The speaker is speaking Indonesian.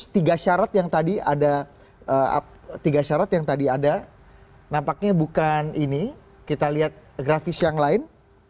tiga syarat yang tadi ada nampaknya bukan ini kita lihat grafis yang lain